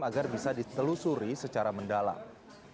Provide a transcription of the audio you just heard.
agar bisa ditelusuri secara mendalam